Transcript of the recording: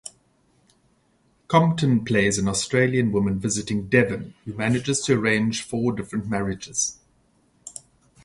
Compton plays an Australian woman visiting Devon who manages to arrange four different marriages.